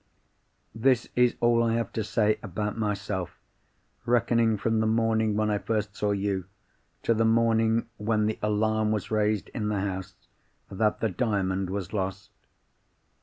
"This is all I have to say about myself, reckoning from the morning when I first saw you, to the morning when the alarm was raised in the house that the Diamond was lost.